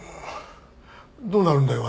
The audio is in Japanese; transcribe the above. どうなるんだよ